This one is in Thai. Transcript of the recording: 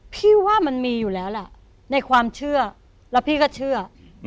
พี่ว่ามันมีอยู่แล้วแหละในความเชื่อแล้วพี่ก็เชื่อ